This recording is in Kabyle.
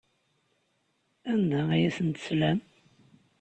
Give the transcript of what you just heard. Anda ay asen-teslam?